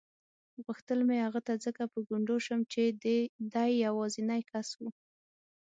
غوښتل مې هغه ته ځکه په ګونډو شم چې دی یوازینی کس و.